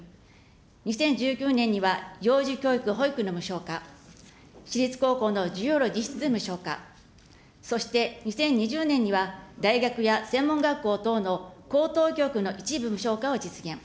２０１９年には幼児教育、保育の無償化、私立高校の授業料実質無料化、そして２０２０年には大学や専門学校等の高等教育の一部無償化を実現。